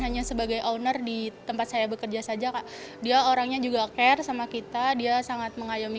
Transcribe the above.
hanya sebagai owner di tempat saya bekerja saja dia orangnya juga care sama kita dia sangat mengayomi